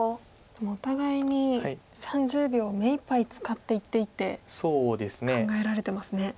でもお互いに３０秒目いっぱい使って一手一手考えられてますね。